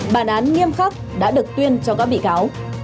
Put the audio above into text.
bản án nghiêm khắc đã được tuyên cho các bị cáo